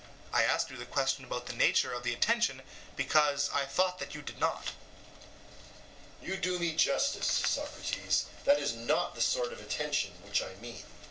I asked you the question about the nature of the attention, because I thought that you did not. EUTHYPHRO: You do me justice, Socrates; that is not the sort of attention which I mean.